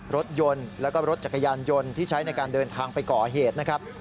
รถยนต์แล้วก็รถจักรยานยนต์ที่ใช้ในการเดินทางไปก่อเหตุนะครับ